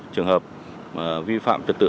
trường hợp vi phạm trật tự